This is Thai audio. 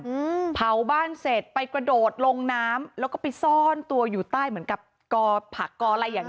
อืมเผาบ้านเสร็จไปกระโดดลงน้ำแล้วก็ไปซ่อนตัวอยู่ใต้เหมือนกับกอผักกออะไรอย่าง